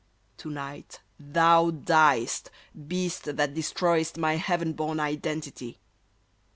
To night thou diest, Beast that destroy'st my heaven born identity!